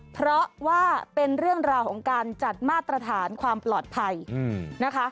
เพราะว่าเป็นเรื่องราวของการจัดมาตรฐานความปลอดภัยนะคะ